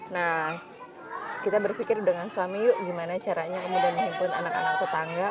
nah kita berpikir dengan suami yuk gimana caranya kemudian menghimpun anak anak tetangga